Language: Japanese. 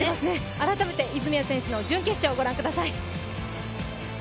改めて泉谷選手の準決勝、ご覧ください。